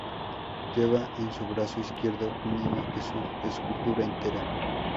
Lleva en su brazo izquierdo un Niño Jesús de escultura entera.